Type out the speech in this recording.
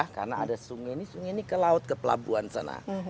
karena ada sungai ini sungai ini ke laut ke pelabuhan sana